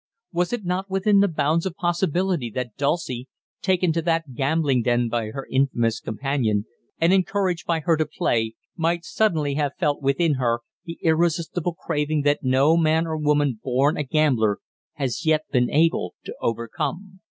Was it not within the bounds of possibility that Dulcie, taken to that gambling den by her infamous companion, and encouraged by her to play, might suddenly have felt within her the irresistible craving that no man or woman born a gambler has yet been able to overcome?